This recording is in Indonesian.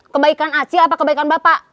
kebaikan aci apa kebaikan bapak